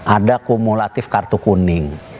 ada kumulatif kartu kuning